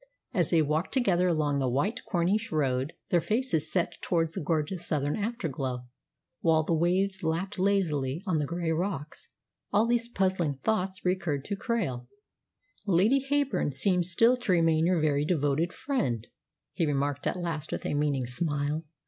As they walked together along the white Corniche Road, their faces set towards the gorgeous southern afterglow, while the waves lapped lazily on the grey rocks, all these puzzling thoughts recurred to Krail. "Lady Heyburn seems still to remain your very devoted friend," he remarked at last with a meaning smile.